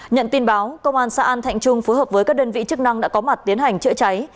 nhận tin báo công an xã an thạnh trung phối hợp với các đơn vị chức năng đã có mặt tiến hành chữa cháy